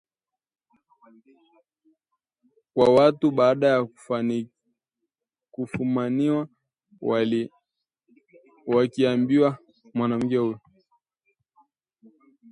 wa watu baada ya kufumaniwa wakimwibia mwanamke huyo